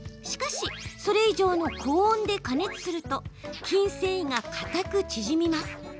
しかし、それ以上の高温で加熱すると筋繊維がかたく縮みます。